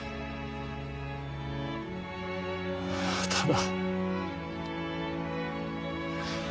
ただ。